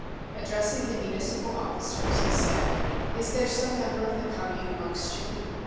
Addressing the municipal officers, he said: "Is there some member of the Commune amongst you?"